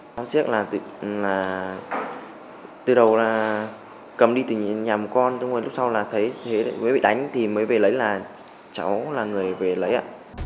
tao biết là từ đầu là cầm đi từ nhà một con lúc sau là thấy thế mới bị đánh thì mới về lấy là cháu là người về lấy ạ